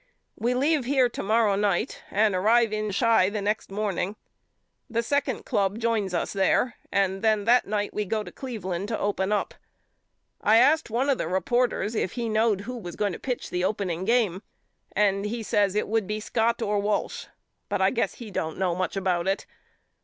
We leave here to morrow night and arrive in Chi the next morning. The second club joins us there and then that night we go to Cleveland to open up. I asked one of the reporters if he knowed who was going to pitch the opening game and he says it would be Scott or Walsh but I guess he don't know much about it.